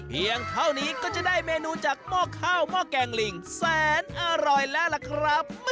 เพียงเท่านี้ก็จะได้เมนูจากหม้อข้าวหม้อแกงลิงแสนอร่อยแล้วล่ะครับ